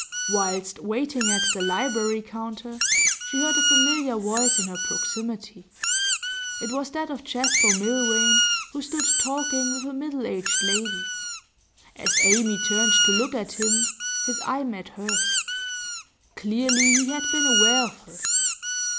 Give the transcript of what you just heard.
Whilst waiting at the library counter, she heard a familiar voice in her proximity; it was that of Jasper Milvain, who stood talking with a middle aged lady. As Amy turned to look at him his eye met hers; clearly he had been aware of her.